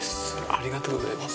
ありがとうございます。